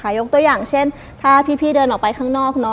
ยกตัวอย่างเช่นถ้าพี่เดินออกไปข้างนอก